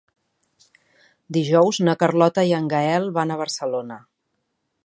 Dijous na Carlota i en Gaël van a Barcelona.